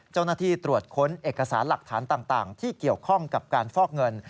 เจ้าหน้าที่ตรวจค้นเอกสารหลักฐานต่างที่เกี่ยวข้องกับการฟอกเงิน